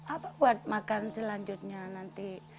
apa buat makan selanjutnya nanti